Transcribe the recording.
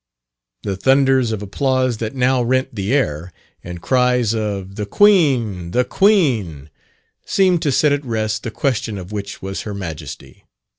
The thunders of applause that now rent the air, and cries of "The Queen, the Queen," seemed to set at rest the question of which was Her Majesty.